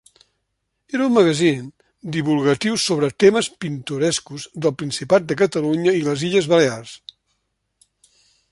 Era un magazín divulgatiu sobre temes pintorescos del Principat de Catalunya i les Illes Balears.